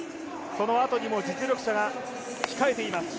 そのあとにも実力者が控えています。